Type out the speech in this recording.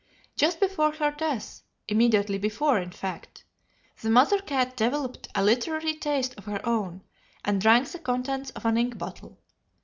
Just before her death immediately before, in fact the mother cat developed a literary taste of her own and drank the contents of an ink bottle.